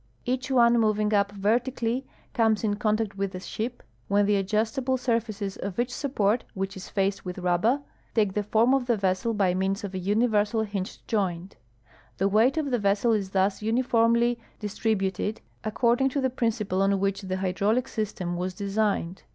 Each one moving up vertically comes in contact with the ship, Avhen the adjustable surfaces of each sup port, which is faced with rubber, take the form of the vessel by means of a universal hinged joint. The Aveight of the vessel is thus uniformily distributed, according to the principle on Avhich the hydraulic system Avas designed.